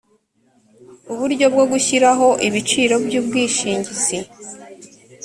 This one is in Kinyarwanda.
uburyo bwo gushyiraho ibiciro by ubwishingizi